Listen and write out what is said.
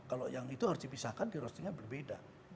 kalau yang itu harus dipisahkan di roastingnya berbeda